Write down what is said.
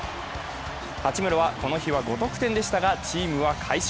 八村はこの日は５得点でしたがチームは快勝。